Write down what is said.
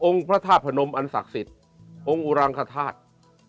พระธาตุพนมอันศักดิ์สิทธิ์องค์อุรังคธาตุ